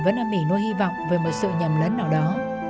vẫn đang mỉ nuôi hy vọng về một sự nhầm lấn nào đó